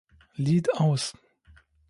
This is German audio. Lied aus!